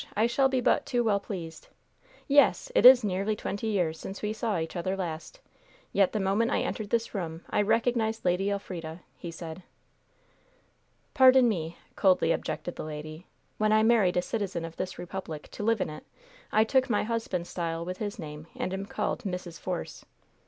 I shall be but too well pleased. Yes! it is nearly twenty years since we saw each other last, yet the moment I entered this room I recognized Lady Elfrida," he said. "Pardon me," coldly objected the lady. "When I married a citizen of this republic, to live in it, I took my husband's style with his name, and am called Mrs. Force."